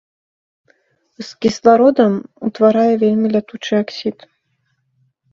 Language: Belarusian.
З кіслародам утварае вельмі лятучы аксід.